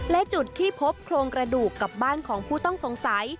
และจุดที่พบโครงกระดูกกับบ้านของผู้ต้องสงสัย